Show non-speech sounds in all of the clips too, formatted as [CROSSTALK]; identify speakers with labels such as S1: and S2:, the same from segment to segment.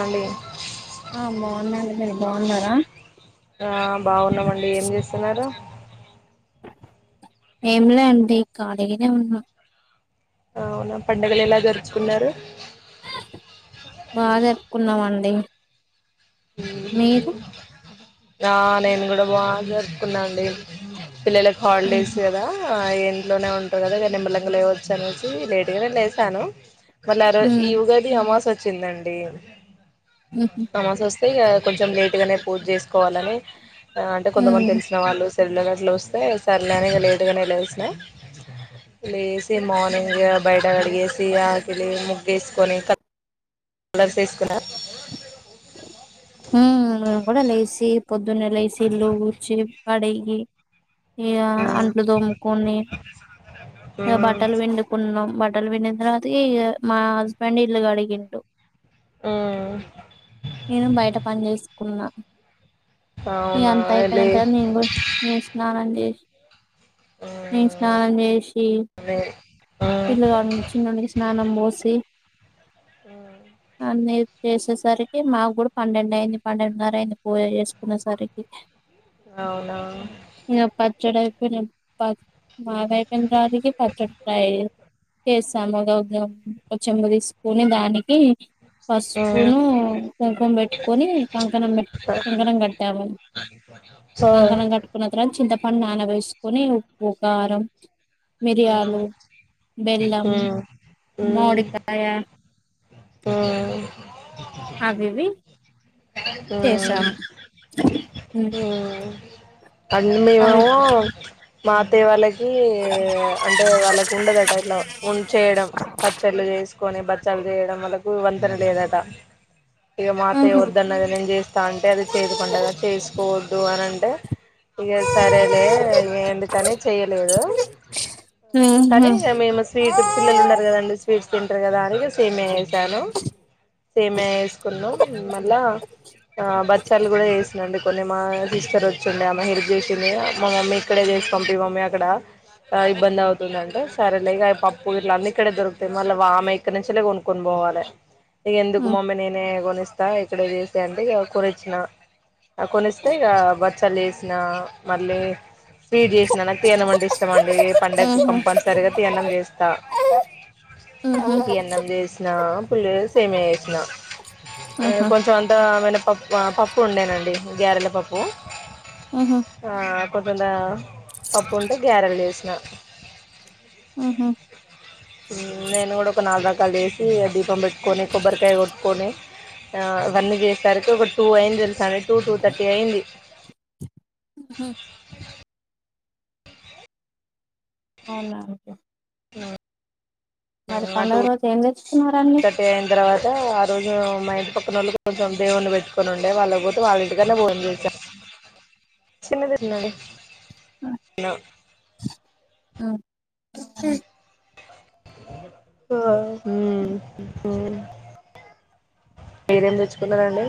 S1: అండి
S2: ఆ బావున్నా నండి మీరు బావున్నార
S1: ఆ బావున్నామండి ఏం చేస్తున్నారు
S2: ఎంలే అండి ఖాళీగనే ఉన్నాం
S1: అవునా పండగలు ఎలా జరుపుకున్నారు
S2: బా జరుపుకున్నాం అండి డి
S1: ఉ... ఆ నేను కూడ బా జరుపుకున్నాండి పిల్లలలకు
S2: మ్మ్
S1: హాలిడేస్ కదా ఎ ఇంట్లోనే ఉంటా కదా నిమ్మళంగా లేవొచ్చు అనేసి లేట్ గానే లేసాను మల్లి అరోజ్ ఈ
S2: మ్మ్
S1: ఉగాది ఆమావాస్ వ చిందండి
S2: ఉ హుమ్
S1: ఇగ కొంచెం లేట్ గానే పూజ చేసుకోవాలని అంటే కొంతమంది
S2: మ్మ్
S1: తెలిసిన వాళ్ళు చెల్ల గట్లు వస్తే సర్లే అని ఇగ లేటుగానే లేసిన లేసి మార్నింగె బయట కడిగేసి వాకిలి ముగ్గేసుకొని కలర్స్ ఏసుకున్న
S2: ఉ నేను కూడ లేసి పొద్దునే లేసి ఇల్లు ఊడ్చి కడిగి ఇక
S1: మ్మ్
S2: అంట్లు తోముకొని ఇక
S1: మ్మ్
S2: బట్టలు పిండుకున్నాం బట్ బట్టలు పిండిన తర్వాత ఇక మా హస్బెండ్ ఇల్లు కడిగిండు
S1: ఆ
S2: కున్నా ఇక అంత
S1: లే
S2: అయిపోయినతర్వాత నేను కూడా నేను స్నానం చేసి
S1: మ్మ్
S2: నేను స్నానం చేసి
S1: లే
S2: [INAUDIBLE]
S1: మ్మ్
S2: పిల్లుగడ చిన్నోనికి స్నానం పోసి
S1: మ్మ్
S2: అన్ని అయిపోయేస సరికి మాకు కూడా పన్నెండు అయింది పన్నెండున్నర అయింది పూజ చేసుకునే సరికి
S1: అవునా
S2: కొన పద [UNINTELLIGIBLE] బాగాయి పనరానికి పచ్చడి ఫయి [UNINTELLIGIBLE] [UNINTELLIGIBLE] సామద ఉద్యోం ఓ చెంబు తీసుకుని దానికి
S1: మ్మ్ ఆ మ్మ్
S2: పసుపును కుంకం బెట్టు అని కంకణం కట్ కంకనం కట్టాము. కంకణం కట్టుకున్న తర్వాత చింతపండు నాన బోసుకుని ఉప్పు కారం మిరియాలు
S1: మ్మ్
S2: బెల్లం మామిడికాయ
S1: ఆ
S2: అవి ఇవి
S1: ఆ
S2: హ్మ్
S1: [UNINTELLIGIBLE] మా అత్తయ్య వాళ్ళకి అంటే వాళ్ళకి ఉండదట ఇట్లా ఉ చేయడం పచ్చళ్ళు చేసుకొని పచ్చలు చేయడం వాళ్ళకు ఈ వంతెన లేదట ఇక మా అత్తయ్య వద్దన్నది నేను చేస్తా అంటే అది చేదుకుండదు చేసు వద్దు అనంటే ఇక
S2: ఉహు
S1: సరేలే ఇక ఎందుకని చేయలేదు. కానీ ఇక మేము స్వీట్ పిల్లలు ఉన్నారు కదండి స్వీట్ కదా అ [UNINTELLIGIBLE] సేమియా వేసాను సేమియా వేసుకున్నం మళ్ళా ఆ బక్షాలు కూడా వేసు నుండి కొన్ని మామయ్య తీసుకొని వచ్చుండే అ హెల్ప్ చేసింది మా మమ్మీ ఇక్కడే చేసి పంపి మమ్మీ అక్కడ ఇబ్బంది అవుతుందంటే సరేలే ఇగ పప్పు ఇట్ల అన్ని ఇక్కడే దొరుకుతాయి మళ్ళీ ఆమె ఇక్కడ నుంచలే కొనుక్కొని పోవాలె. ఇ ఎందుకు
S2: ఉమ్
S1: మామ్మ ననే గోణష్ దా ఇక్కడ సేస్తే అంట అకురచ్చిన కొనస్తేగా బట్ చలెస్ నా మళ్ళీ ఫీడ్ చేసినా నా తీఅన్నం అంటే ఇష్టం అండి. పండగ
S2: ఉహు ఉహు
S1: కంపల్సరిగా తీఅన్నం చేస్తా తీ అన్నం చేసిన. ఫుల్ సేమియా చేసినా [UNINTELLIGIBLE] ఆ
S2: ఆహా
S1: కొంచెం అంత వెన పప్పు పప్పు ఉండేనండి గ్యారెల పప్పు
S2: ఉహు
S1: ఆ కొద్ ఆ పప్పుంటే గారెలు చేసిన
S2: ఉహు
S1: నేను కూడా ఒక నాలు దా మక్క వేసి దీపం పెట్టుకొని, కొబ్బరికాయ కొట్టుకొని, ఇవన్నీ చేసరికి ఒక టూ అయింది తెలుసాని. టూ టూ థర్టీ అయింది.
S2: ఉ హ అవునాకే
S1: అ ఆ
S2: పండుగ
S1: టూర్
S2: రోజు ఏం
S1: టూ
S2: తెచ్చుకున్నారండి
S1: థర్టీ అయిన తర్వాత ఆ రోజు మా ఇంటి పక్క ళ్ళు కొంచెం దేవుని పెట్టుకొని ఉండే వాళ్ళక పోతే వాళ్ళ ఇంటికనే భోజనం చేస చిన్న తండి త [UNINTELLIGIBLE]
S2: అ [UNINTELLIGIBLE]
S1: [UNINTELLIGIBLE] మీరేం తెచ్చుకున్నారండి.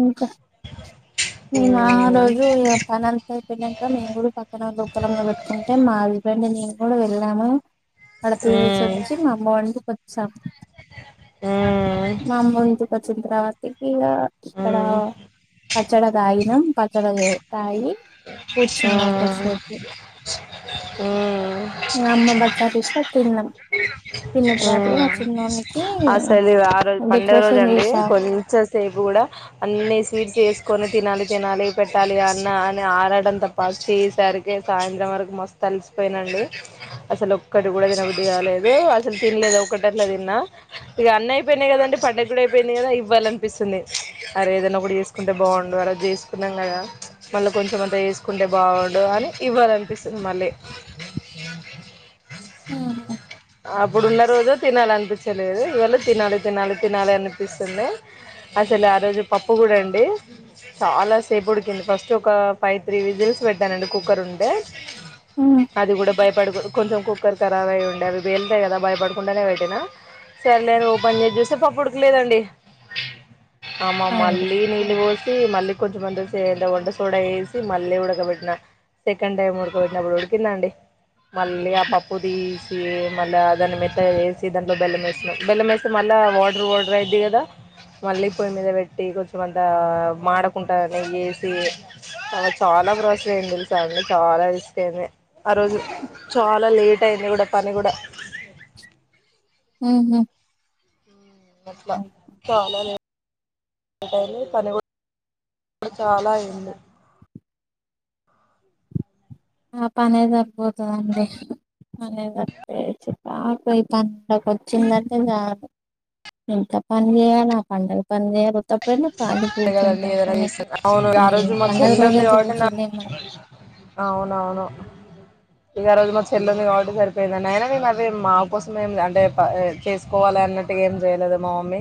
S2: ఇంకా మేము
S1: మ్మ్ మ్మ్
S2: రోజు పనంతయిపోయినాక మేము కూడా పక్కన లోపలబట్టుకుంటే మావి వెంట మేము కూడా వెల్లాము. అక్కడ తినేసి
S1: మ్మ్
S2: వచ్చి మా అమ్మ వాళ్ళ ఇంటికి వ స
S1: మ్మ్
S2: మా అమ్మ వాళ్ళ ఇంటికి చిత్రావతికి ఇక ఇక్కడ పచ్చడదాయి ఇక పచ్చడి చేతాయి
S1: ఊ ఊ ఊ
S2: ఇంగ అమ్మ బచ్చాలు ఇస్తే తిన్నాం తిన్న తర్వాత మా చిన్నోనికి
S1: అసలు ఆ రోజు పండగ రోజు
S2: డెకరేషన్
S1: అండి
S2: చేసాం
S1: కొంచెం సేపు కూడా అన్ని స్వీట్ చేసుకొని తినాలి, తినాలి, పెట్టాలి అన్న ని ఆరాడం తప్ప చేసరికి సాయంత్రం వరకు మస్తు అలిసిపోయిన అండి. అసలు ఒక్కటి కూడా తినబద్ది కాలేదు, అసలు తినలేదు. ఒకటి అట్లా తిన్నా ఇక అన్ని అయిపోయినాయి కదండి పండగ కూడా కూడా అయిపోయింది కదా ఇవ్వాలనిపిస్తుంది అరే ఏదన్న ఒకటి చేసుకుంటే బాగుండు అలా చేసుకున్నాం. మళ్ళీ కొంచెం అంతా చేసుకుంటే బాగుండు అని ఇవ్వాలనిపిస్తుంది మళ్ళీ. అప్పుడున్న రోజు తినాలినిపించలేదు. ఇవాళ తినాలి, తినాలి, తినాలి అనిపిస్తుంది. అసలు ఆ రోజు పప్పు కూడా అండి చాలాసేపు ఉడికింది. ఫస్ట్ ఒక ఫైవ్ త్రీ విజిల్స్ పెట్టానండి కుక్కర్ ఉంటే.
S2: మ్మ్
S1: [UNINTELLIGIBLE] అది కూడా భయపడుగు కొంచెం కుక్కర్ ఖరాబై ఉండే అది వెళ్తాయి కదా భయపడుకుంటానే పెట్టినా సరేలేే అని ఓపెన్ చేసి చూస్తే పప్పుడకలేదండి అమ్మ
S2: అయింది
S1: మళ్ళీ నీళ్ళు పోసి మళ్ళీ కొంచెంమంతసే [INAUDIBLE] వంట సోడా ఏసి మళ్ళీ ఉడకబెట్టిన సెకండ్ టైం ఉడకబెట్టినప్పుడు ఉడికిందండి మళ్ళీ ఆ పప్పు తీసి మళ్ళా దాన్ని మెత్తగ చేసి దాంట్లో బెల్లమేసినాం బెల్లమేస్తే మళ్ళ వాటర్ వాటర్ అయిద్ది కదా మళ్ళీ పొయ్యి మీద పెట్టి కొంచం అంతా మాడకుంటా నెయ్యేసి తర్వాత చాలా ప్రోసయ్యింది తెలుసా అండి చాలా వేస్ట్ అయింది ఆ రోజు చాలా లేట్ అయింది కూడా పని కూడా
S2: ఊహూ
S1: అట్లా చాలాలే టైంది పని కూ [UNINTELLIGIBLE] చాలా అయ్యింది
S2: ఆ పనే సరిపోతదండి పనే [UNINTELLIGIBLE] పండగొచ్చిందంటే ఇగ ఇంత పని చెయ్యాల ఆ పండగ పని చేయాలి ఉత్తప్పుడైనా ఖాళీ
S1: కదండి
S2: కూర్చుంటాం
S1: ఏదైనా
S2: కానీ
S1: చేసి అవును
S2: ఈ
S1: ఆ రోజు మా
S2: పండగ
S1: చెల్లి ఉంది
S2: రోజయితే కూర్చోలేం మనం
S1: అవును ఇగ ఆ రోజు మా చెల్లె ఉంది కాబట్టి సరిపోయిందని అయినా మేం అది మా కోసం ఏం అంటే చేసుకోవాలి అన్నట్టు ఏం చేయలేదు మా మమ్మీ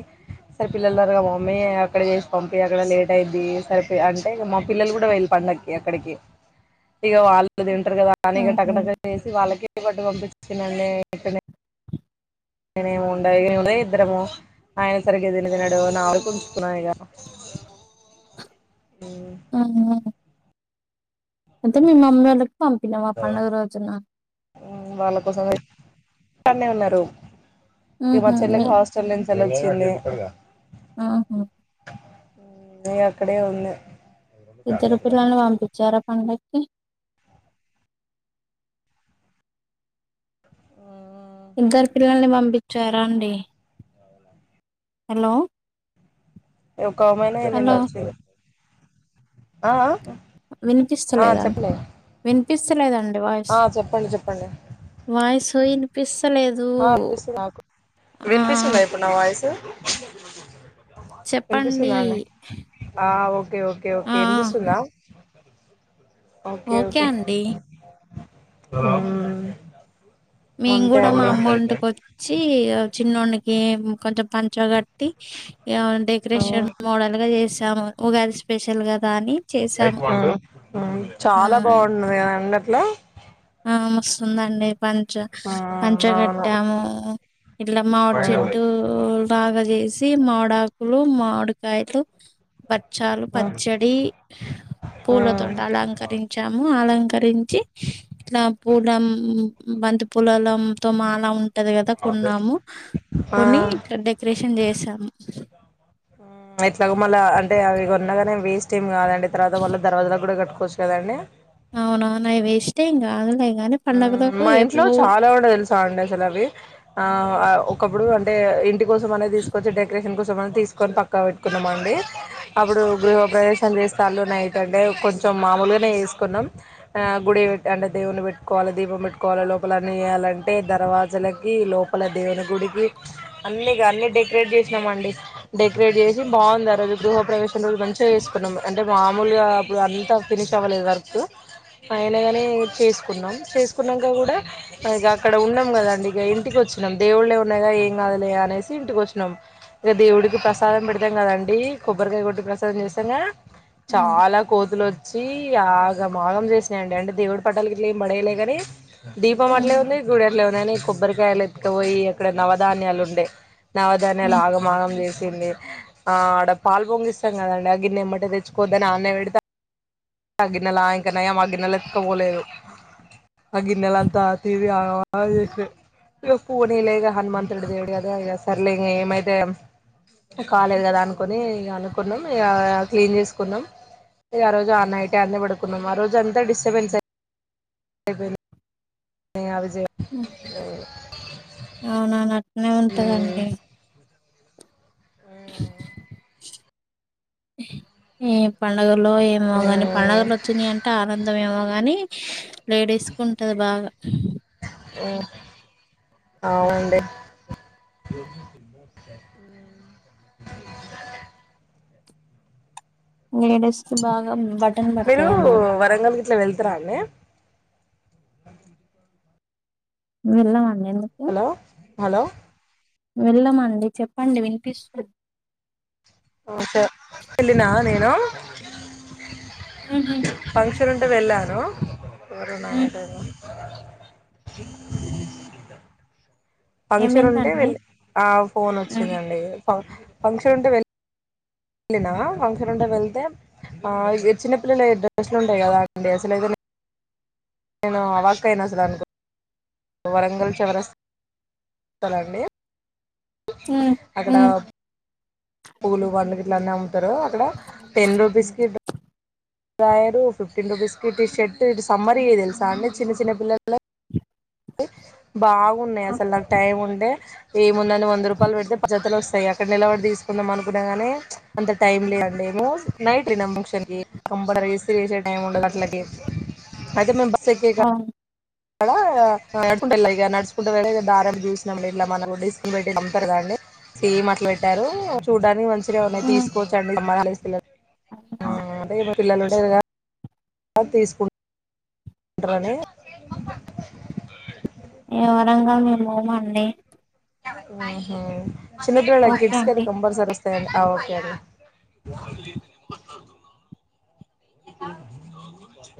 S1: సరే పిల్లలున్నారుగా మా మ్మీ అక్కడ చేసి పంపి అక్కడ లేట్ అయిద్ది సరి అంటే ఇగ మా పిల్లలు కూడా వెళ్ళి పండగకి అక్కడికి ఇగ వాళ్ళు [UNINTELLIGIBLE] పేరు కదా అని టక
S2: ఆహా
S1: టక చేసి వాళ్ళకి ప పట్టు పంపించినా నే ఇక్కడ్ నే నేనేమి ఉండయి [UNINTELLIGIBLE] ఇద్దరము ఆయన సరిగ్గా తిండి తినడు నా వరకు ఉంచుకున్నా ఇగ
S2: [UNINTELLIGIBLE] అంతే మీ మమ్మీ వాళ్ళ పంపినవా పండగ రోజున
S1: క్కన్నే ఉన్నరు ఇగ
S2: మ్మ్
S1: మా
S2: హు
S1: చెల్లెకి
S2: మీ
S1: హాస్టెల్ నుం హెలో చెల్లీ
S2: ఆహా
S1: ని అక్కడే ఉంది
S2: ఇద్దరు పిల్లలని పంపి చ్చారా పండక్కి
S1: ఉమ్మ్
S2: ఇద్దరు పిల్లల్ని పంపిచ్చారా అండి హలో
S1: ఒకామనే
S2: హలో
S1: ఎళ్ళిందచ్చి ఆ ఆ
S2: వినిపిస్తలేదా
S1: చెప్పలే
S2: వినిపిస్తలేదండి వాయిస్
S1: ఆ చెప్పండి చెప్పండి
S2: వాయిస్ తూ ఇనిపిస్
S1: ఆ విన్పిస్తుది నాకు
S2: ఆ
S1: వినిపిస్తుందా ఇప్పుడు నా వాయిసు
S2: చెప్పండి
S1: విన్పిస్తుందా అండి ఆ ఓకే ఓకే ఓకే
S2: ఆ
S1: విన్పిస్తుందా
S2: ఓకే అండి
S1: ఉమ్మ్
S2: మేం కూడా మా అమ్మ వంటకి వచ్చి చిన్న వంనికి ఇ కొంచ పాంచ గటి
S1: ఆ
S2: డెకరేషన్ మోడల్ గా చేసి జామున్ ఉగాది స్పెషల్గాదా అని చేసాము
S1: చాలా
S2: ఆ
S1: బాగుంటది కదండి అట్లా
S2: మస్తు ఉంది అండి పంచ
S1: మ్మ్ అవును
S2: పంచగట్టాము ఇట్లా మామిడి చెట్టు బగా చేసి మామీడి ఆకులు మాడికాయతో బత్ చాలు
S1: మ్మ్
S2: పచ్చడి పూలతోట
S1: మ్మ్
S2: అలంకరించాము అలంకరించి అ ఇట్లా పూల బంతి పూలల తో మాలా ఉంట పట్టది కదా కొన్నాము
S1: ఆ
S2: కొని ఇక్కడ డెకరేషన్ చేసాము
S1: ఎట్లాగో మళ్ళా అంటే అవి కొన్నగానే వేస్ట్ ఏమి కాదండి తర్వాత మళ్ళ దర్వాజాల కూడా కట్కోవచ్చు కదండి
S2: అవునా నాయి వేస్ట్ ఏం కాదు లే
S1: మా ఇంట్లో చాలా కూడా తెలుసావ అండి అసలు అవి ఆ ఒకప్పుడు అంటే ఇంటికి కోస అనేది తీసుొచ్చ డెకేషన్ కో కొంచెం తీసుకొని పక్కా పెట్టుకున్నామ అండి అప్పుడు గృహ ప్రవేశం చేస్తళ్లు నైట్ అంటే కొంచెం మామూలుగానే వేసుకున్నాం గుడి పెట్టి అంటే దేవుని పెట్టి కోల దీపం పెట్టి కోల లోపల అన్ని వేయాలంటే దర్వాజులకి లోపల దేవుని గుడికి అన్ని అన్ని డెకరేట్ చేసినాం అండి డెకరేట్ చేసి బాగుంది ఆ రోజు గృహపవేశం మంచిగా చేసుకున్నాం అంటే మామూలుగా అప్పుడు అంతా ఫినిష్ అవ్వలేదు వర్క్ అైనగాని చేసు సుకున్నాం చేసుకున్నాక కూడాక అక్కడ ఉన్నాం కదండి ఇక ఇంటికి వచ్చినాం దేవులే ఉన్నాయి క ఏం కాదులే అనేసి ఇంటికి వచ్చినాం ఇక దేవుడికి ప్రసాదం పెడతాం కదండడి కొబ్బరికాయ కొట్టి ప్రసాదం చేస్తాక చాలా కోతులు వ చి ఆగా మోగం చేసినాయండి అంటే దేవుడి పట్టాలకి ఇ మనేలగనే దీపం అట్లే ఉంది గుడి అట్లో ఉన్నాందియని కొబ్బరికాయలు ఎత్కపోయి అక్కడ నవధాన్యాలు ఉండే నవధానలా ఆగం ఆగం చే ఆ ఆడ పాలు పొంగిస్తాం కదండి ఆ గిన్నెమ్మట్టే తెచ్చుకోవద్దని అన్న పెడతా ఆ గిన్నెల ఇంకా న ఆ గిన్నెలు ఎత్తుకపోలేదు ఆ గిన్నెల అంతా ఇ పోనీ లేక హనుమంతుడి దేవుడు కదా ఇ సర్లేం ఏమైతే కాలేదు కదా అనుకుని ఇ అనుకున్నాం ఇక క్లీన్ చేసుకున్నాం ఇ ఆ రోజు ఆన్న ఆంద పడుకున్నాం ఆ రజు అంత డిస్టర్బేన్స్యై అదే లే [UNINTELLIGIBLE]
S2: అవునా నా
S1: మ్మ్
S2: ఉంటదండి ఏ పండగ లో ఏమో కాని పండగలు వచ్చింన్నయి అంట ఆనందం ఏమో గాని లేడీస్ కు ఉంటది బాగా
S1: అవ్ అండి.
S2: నేడిస్ కి భాగా బటన్ బడతది అండి.
S1: వరంగల్కి ఇట్లా వెళ్తురానె
S2: వెళ్ళం అంని.
S1: హలో హలో
S2: వెళ్ళమండి చెప్పండి వినిపిస్స్
S1: అ తే ఎళ్లినా నేను
S2: ఉహూ
S1: ఫంక్షన్ ఉంటే వెళ్ళాను. వొరునాయటన ఫంక్షన్ ఉంటే
S2: ఏమైందండి
S1: వెల్లి, ఆ ఫోన్
S2: ఉ
S1: వచ్చిందండి. ఫా ఫంక్షన్ ఉంటె వెల్ ళ్ళిన ఫంక్షన్ ఉంటే వెళ్తే, ఆ ఇగ చిన్నపిల్లలెయ్ డ్రెస్లు ఉంటాయి కదా అండి. అసలైతే న్ నేను అవాక్క అయినా అసలు అన్కొ, వరంగల్ చివరస్ తలండి.
S2: ఉ
S1: అకడ
S2: ఉ
S1: పూలు వన్లు గిట్లా అన్నామ్. తరు అక్కడ, టెన్ రూపీస్ కి డయారు ఫిఫ్టీన్ రూపీస్కి టీ షర్ట్ ఇటు సమ్మర్రియి తెలుసా అండి చిన్న చిన్న పిల్ల లొ బావ్ ఉన్నాయసలా నా టైం ఉంటె ఏవ్ మొన్నని వంద రూపాయలు పెడ్తే పద్ జతలొస్ తయ్ అక్కడ నిలబడి తీసుకుందాం అనుకున్నా గాని, ప్చ్ అంత టైం లేదండి మోజ్ నైట్ రినం ఫంక్షన్ కి కంపన రైస్ ఏసే టైమ్ ఉండదు అట్లకి, అయితే మేమ్ బ
S2: హా
S1: క్కడ నడుచుకుంటా ఎళ్ళ ఇగ నడుచుకుంటు వెళ్ళ దారం చూస్నంలే ఇట్ల మన రొడిస్కి బైటే అమ్మ్ తరు కదండి, సేమ్ అట్ల వెట్టారు చూడ్డానికి మంచ్ గ ఉన్నయ్
S2: ఉ
S1: తీసుకోచ్చండి, సమ్మర్ హాల్లేస్ పిల్లర్ ఆ
S2: అవునా
S1: అదే ఇవ పిల్లలు ఇగా తీసుకు ంట్రని
S2: ఎ వరంగల్ మేమ్ పోమండి.
S1: హూ హూ చిన్న పిల్లలకి
S2: ఓకే
S1: కిడ్స్ కైతే
S2: అండి
S1: కంపల్సరీ వస్ సరె అ ఓకే అండి [UNINTELLIGIBLE]